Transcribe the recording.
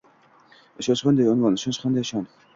Ishonch qanday unvon, Ishonch qanday shon